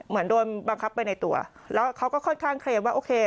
เหมือนโดนบังคับไปในตัวแล้วเขาก็ค่อนข้างเคลมว่าโอเค